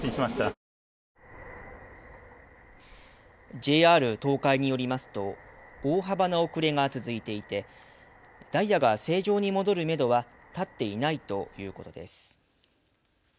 ＪＲ東海によりますと大幅な遅れが続いていてダイヤが正常に戻るめどは立っていないということです。